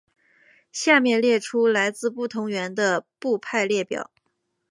下面列出来自不同来源的部派列表。